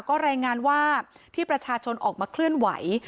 ก็รายงานว่าที่ประชาชนออกมาเคลื่อนไหว